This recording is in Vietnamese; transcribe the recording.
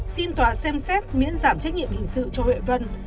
xin tòa xem xét miễn giảm trách nhiệm hình sự cho huệ vân